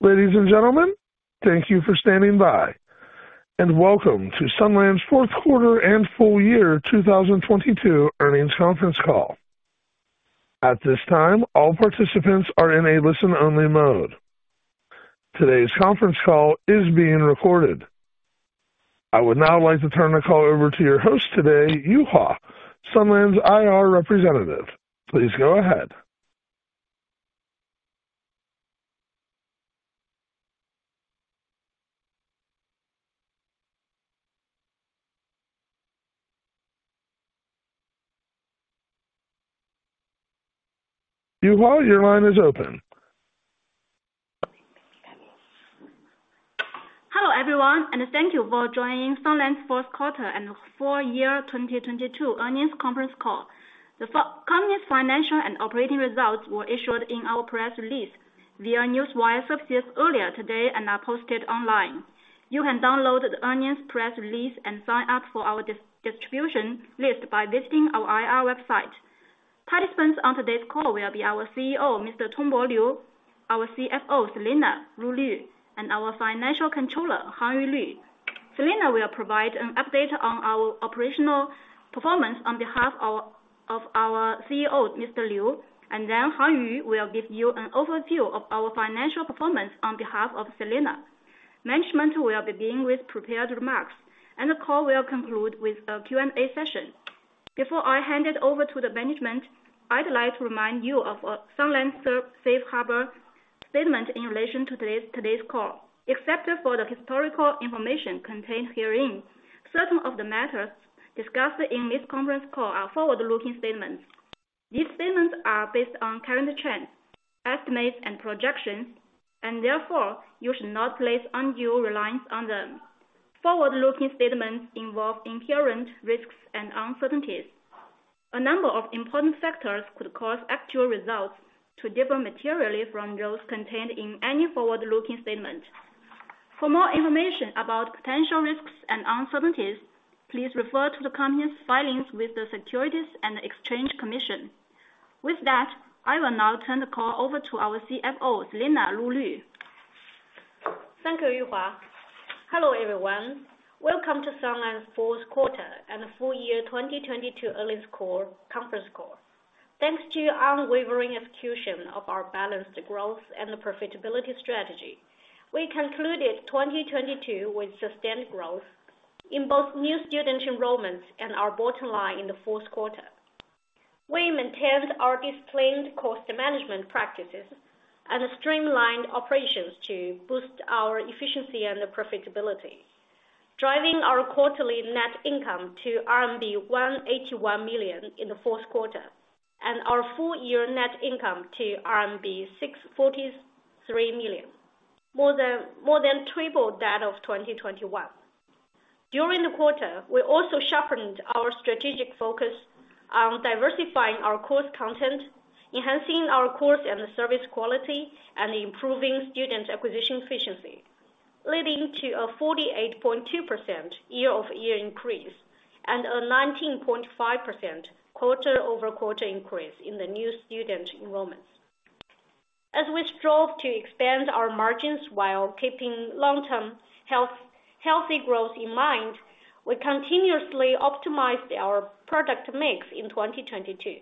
Ladies and gentlemen, thank you for standing by. Welcome to Sunlands' fourth quarter and full year 2022 earnings conference call. At this time, all participants are in a listen-only mode. Today's conference call is being recorded. I would now like to turn the call over to your host today, Yuhua, Sunlands' IR representative. Please go ahead. Yuhua, your line is open. Hello, everyone, and thank you for joining Sunlands' fourth quarter and full year 2022 earnings conference call. The company's financial and operating results were issued in our press release via Newswire services earlier today and are posted online. You can download the earnings press release and sign up for our distribution list by visiting our IR website. Participants on today's call will be our CEO, Mr. Tongbo Liu, our CFO, Selena Lu Lv, and our Financial Controller, Hangyu Li. Selena will provide an update on our operational performance on behalf of our CEO, Mr. Liu, and then Hangyu will give you an overview of our financial performance on behalf of Selena. Management will be beginning with prepared remarks, and the call will conclude with a Q&A session. Before I hand it over to the management, I'd like to remind you of Sunlands' Safe Harbor statement in relation to today's call. Except for the historical information contained herein, certain of the matters discussed in this conference call are forward-looking statements. These statements are based on current trends, estimates and projections, and therefore, you should not place undue reliance on them. Forward-looking statements involve inherent risks and uncertainties. A number of important factors could cause actual results to differ materially from those contained in any forward-looking statement. For more information about potential risks and uncertainties, please refer to the company's filings with the Securities and Exchange Commission. With that, I will now turn the call over to our CFO, Selena Lu Lv. Thank you, Yuhua Ye. Hello, everyone. Welcome to Sunlands' fourth quarter and full year 2022 earnings call, conference call. Thanks to your unwavering execution of our balanced growth and profitability strategy, we concluded 2022 with sustained growth in both new student enrollments and our bottom line in the fourth quarter. We maintained our disciplined cost management practices and streamlined operations to boost our efficiency and profitability. Driving our quarterly net income to RMB 181 million in the fourth quarter, and our full year net income to RMB 643 million, more than triple that of 2021. During the quarter, we also sharpened our strategic focus on diversifying our course content, enhancing our course and service quality, and improving student acquisition efficiency, leading to a 48.2% year-over-year increase and a 19.5% quarter-over-quarter increase in the new student enrollments. As we strove to expand our margins while keeping long-term health, healthy growth in mind, we continuously optimized our product mix in 2022.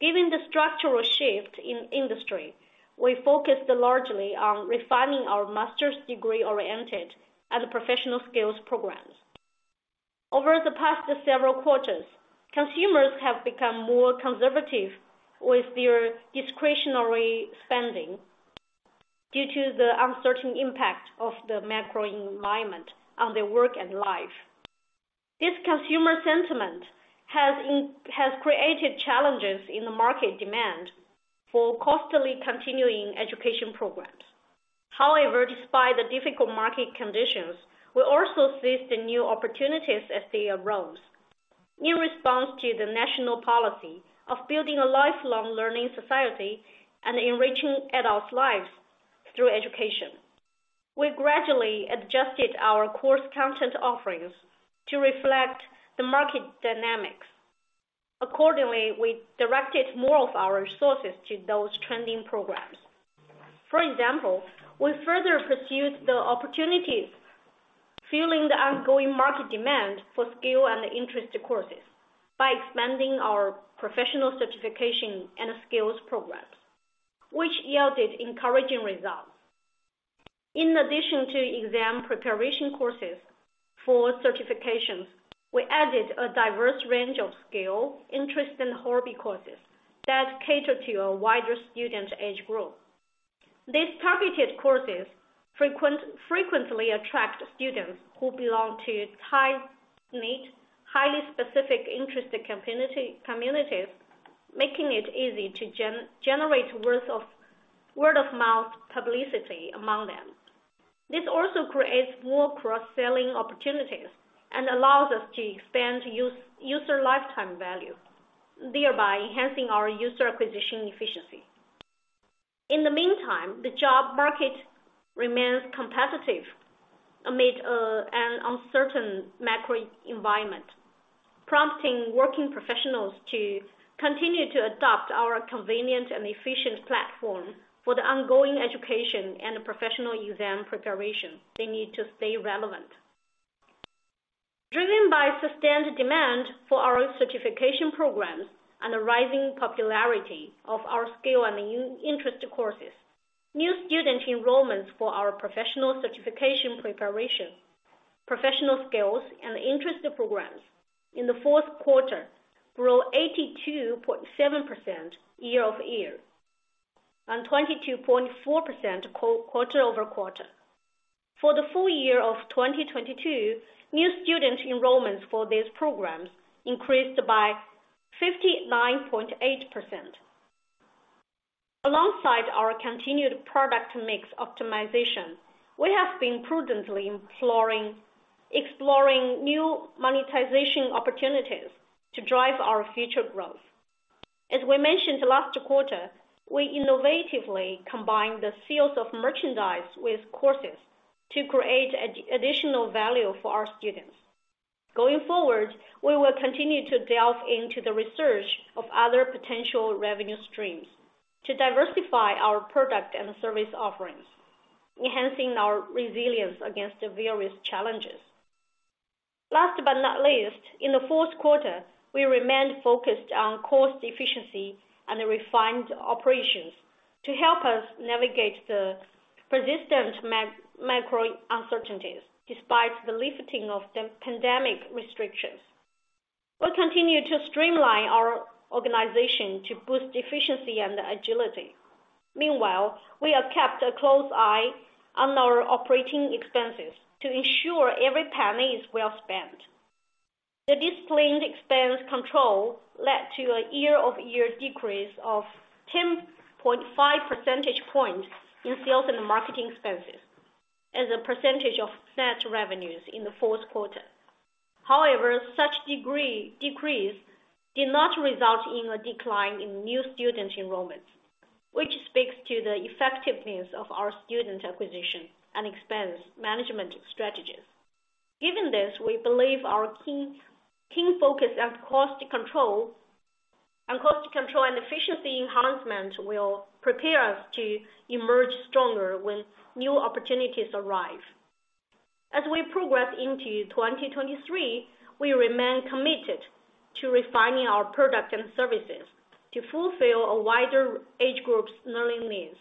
Given the structural shift in industry, we focused largely on refining our master's degree-oriented and professional skills programs. Over the past several quarters, consumers have become more conservative with their discretionary spending due to the uncertain impact of the macro environment on their work and life. This consumer sentiment has created challenges in the market demand for costly continuing education programs. Despite the difficult market conditions, we also seized the new opportunities as they arose. In response to the national policy of building a lifelong learning society and enriching adults' lives through education, we gradually adjusted our course content offerings to reflect the market dynamics. We directed more of our resources to those trending programs. For example, we further pursued the opportunities, filling the ongoing market demand for skill and interest courses by expanding our professional certification and skills programs, which yielded encouraging results. In addition to exam preparation courses for certifications, we added a diverse range of skill, interest, and hobby courses that cater to a wider student age group. These targeted courses frequently attract students who belong to tight-knit, highly specific interest communities, making it easy to generate word-of-mouth publicity among them. This also creates more cross-selling opportunities and allows us to expand user lifetime value, thereby enhancing our user acquisition efficiency. In the meantime, the job market remains competitive amid an uncertain macro environment. Prompting working professionals to continue to adopt our convenient and efficient platform for the ongoing education and professional exam preparation they need to stay relevant. Driven by sustained demand for our certification programs and the rising popularity of our skill and interest courses, new student enrollments for our professional certification preparation, professional skills and interest programs in the fourth quarter grew 82.7% year-over-year, and 22.4% quarter-over-quarter. For the full year of 2022, new student enrollments for these programs increased by 59.8%. Alongside our continued product mix optimization, we have been prudently exploring new monetization opportunities to drive our future growth. As we mentioned last quarter, we innovatively combined the sales of merchandise with courses to create additional value for our students. Going forward, we will continue to delve into the research of other potential revenue streams to diversify our product and service offerings, enhancing our resilience against the various challenges. Last but not least, in the fourth quarter, we remained focused on cost efficiency and refined operations to help us navigate the persistent macro uncertainties despite the lifting of the pandemic restrictions. We'll continue to streamline our organization to boost efficiency and agility. Meanwhile, we have kept a close eye on our operating expenses to ensure every penny is well spent. The disciplined expense control led to a year-over-year decrease of 10.5 percentage points in sales and marketing expenses as a percentage of net revenues in the fourth quarter. Such decrease did not result in a decline in new student enrollments, which speaks to the effectiveness of our student acquisition and expense management strategies. Given this, we believe our keen focus and cost control and efficiency enhancement will prepare us to emerge stronger when new opportunities arrive. As we progress into 2023, we remain committed to refining our products and services to fulfill a wider age group's learning needs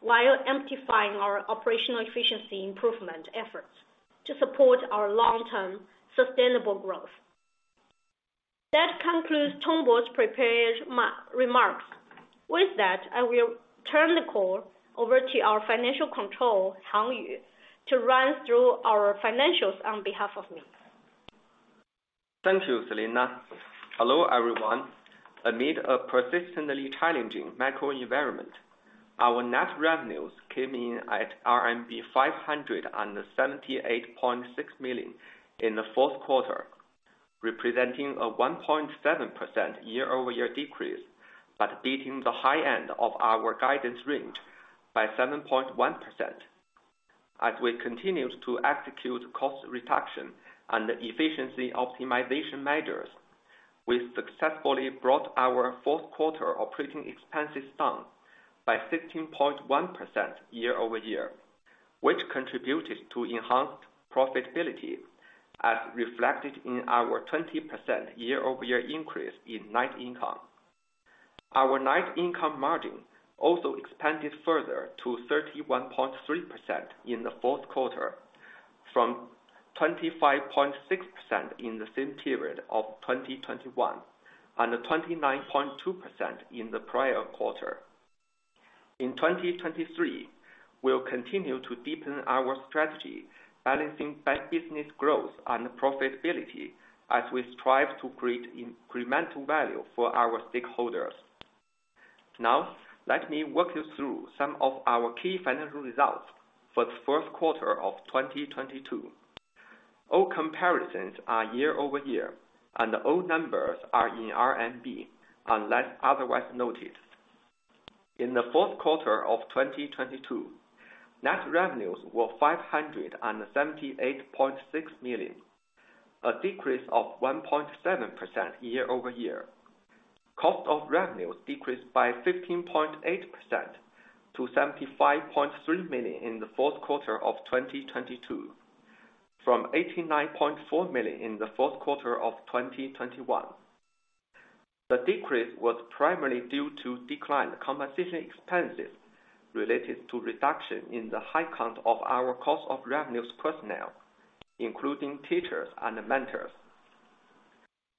while amplifying our operational efficiency improvement efforts to support our long-term sustainable growth. That concludes Tongbo's prepared remarks. I will turn the call over to our Financial Controller, Hangyu, to run through our financials on behalf of me. Thank you, Selena. Hello, everyone. Amid a persistently challenging macro environment, our net revenues came in at RMB 578.6 million in the fourth quarter, representing a 1.7% year-over-year decrease, but beating the high end of our guidance range by 7.1%. As we continue to execute cost reduction and efficiency optimization measures, we successfully brought our fourth quarter operating expenses down by 16.1% year-over-year, which contributed to enhanced profitability as reflected in our 20% year-over-year increase in net income. Our net income margin also expanded further to 31.3% in the fourth quarter from 25.6% in the same period of 2021, and 29.2% in the prior quarter. In 2023, we'll continue to deepen our strategy, balancing by business growth and profitability as we strive to create incremental value for our stakeholders. Let me walk you through some of our key financial results for the fourth quarter of 2022. All comparisons are year-over-year. All numbers are in RMB unless otherwise noted. In the fourth quarter of 2022, net revenues were 578.6 million, a decrease of 1.7% year-over-year. Cost of revenues decreased by 15.8% to 75.3 million in the fourth quarter of 2022, from 89.4 million in the fourth quarter of 2021. The decrease was primarily due to declined compensation expenses related to reduction in the headcount of our cost of revenues personnel, including teachers and mentors.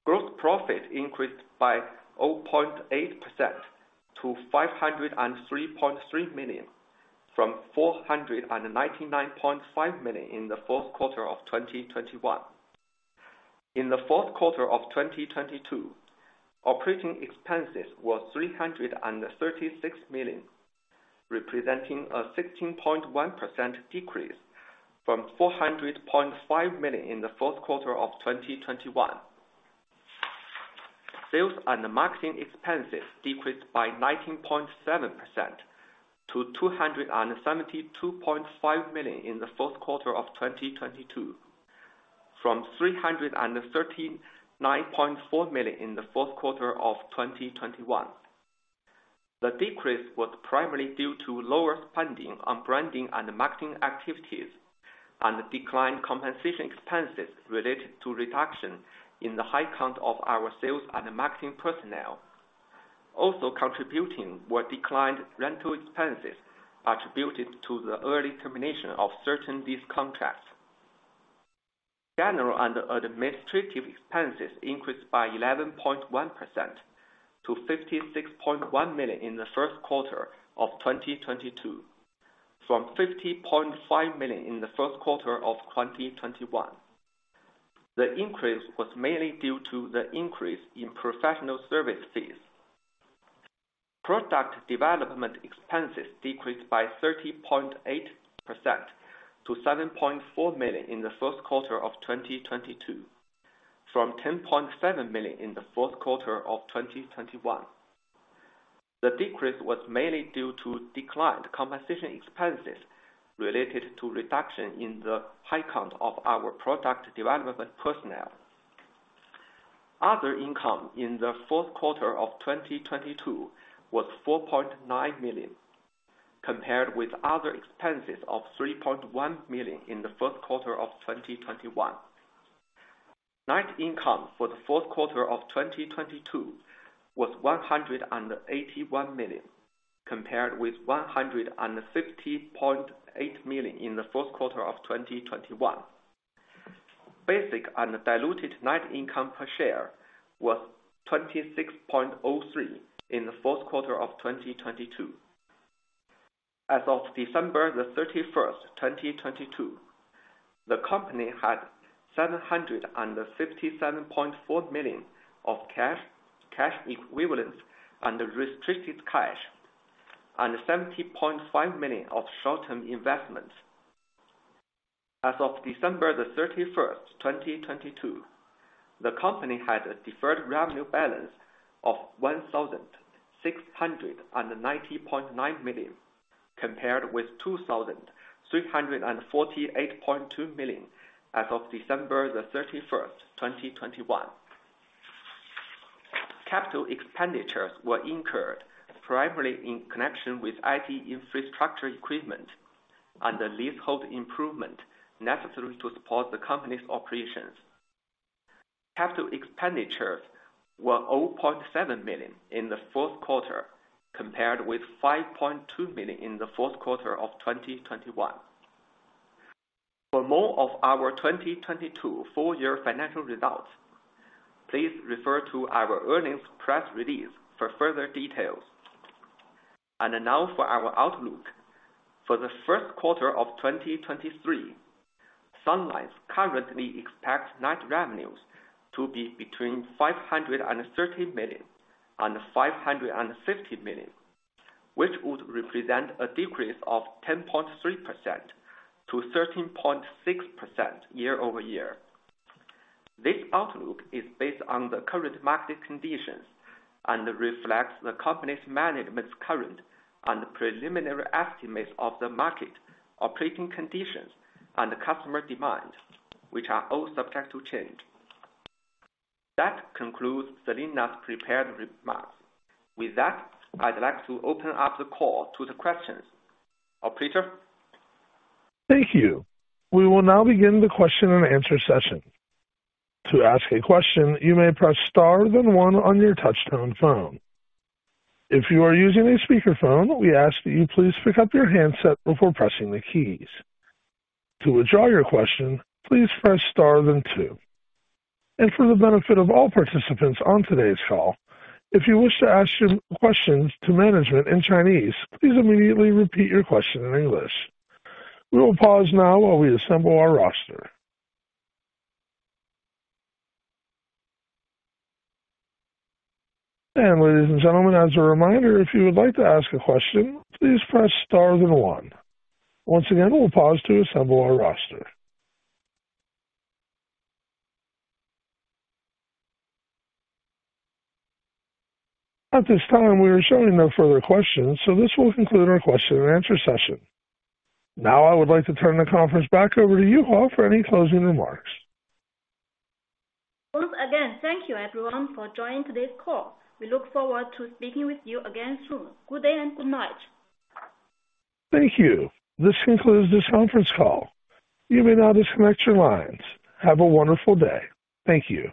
Gross profit increased by 0.8% to 503.3 million, from 499.5 million in the fourth quarter of 2021. In the fourth quarter of 2022, operating expenses were 336 million, representing a 16.1% decrease from 400.5 million in the fourth quarter of 2021. Sales and marketing expenses decreased by 19.7% to 272.5 million in the fourth quarter of 2022, from 339.4 million in the fourth quarter of 2021. The decrease was primarily due to lower spending on branding and marketing activities and declined compensation expenses related to reduction in the headcount of our sales and marketing personnel. Also contributing were declined rental expenses attributed to the early termination of certain lease contracts. General and administrative expenses increased by 11.1% to 56.1 million in the first quarter of 2022, from 50.5 million in the first quarter of 2021. The increase was mainly due to the increase in professional service fees. Product development expenses decreased by 30.8% to 7.4 million in the first quarter of 2022, from 10.7 million in the fourth quarter of 2021. The decrease was mainly due to declined compensation expenses related to reduction in the headcount of our product development personnel. Other income in the fourth quarter of 2022 was 4.9 million, compared with other expenses of 3.1 million in the first quarter of 2021. Net income for the fourth quarter of 2022 was 181 million, compared with 150.8 million in the fourth quarter of 2021. Basic and diluted net income per share was 26.03 in the fourth quarter of 2022. As of December 31st, 2022, the company had 757.4 million of cash equivalents and restricted cash, and 70.5 million of short-term investments. As of December 31st, 2022, the company had a deferred revenue balance of 1,690.9 million, compared with 2,348.2 million as of December 31st, 2021. Capital expenditures were incurred primarily in connection with IT infrastructure equipment and the leasehold improvement necessary to support the company's operations. Capital expenditures were 0.7 million in the fourth quarter, compared with 5.2 million in the fourth quarter of 2021. For more of our 2022 full year financial results, please refer to our earnings press release for further details. Now for our outlook. For the first quarter of 2023, Sunlands currently expects net revenues to be between 530 million and 550 million, which would represent a decrease of 10.3%-13.6% year-over-year. This outlook is based on the current market conditions and reflects the company's management's current and preliminary estimates of the market, operating conditions and customer demand, which are all subject to change. That concludes Selena's prepared remarks. With that, I'd like to open up the call to the questions. Operator? Thank you. We will now begin the question and answer session. To ask a question, you may press star then one on your touchtone phone. If you are using a speakerphone, we ask that you please pick up your handset before pressing the keys. To withdraw your question, please press star then two. For the benefit of all participants on today's call, if you wish to ask your questions to management in Chinese, please immediately repeat your question in English. We will pause now while we assemble our roster. Ladies and gentlemen, as a reminder, if you would like to ask a question, please press star then one. Once again, we'll pause to assemble our roster. At this time, we are showing no further questions, so this will conclude our question and answer session. Now, I would like to turn the conference back over to you, Yuhua, for any closing remarks. Once again, thank you everyone for joining today's call. We look forward to speaking with you again soon. Good day and good night. Thank you. This concludes this conference call. You may now disconnect your lines. Have a wonderful day. Thank you.